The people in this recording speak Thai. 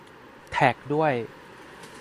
แท็กด้วย